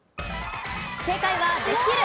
正解はできる。